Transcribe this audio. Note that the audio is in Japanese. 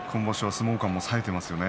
相撲勘もさえてきますよね。